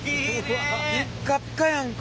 ピッカピカやんか。